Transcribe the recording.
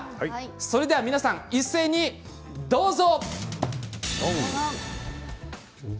それでは皆さん、一斉にどうぞ！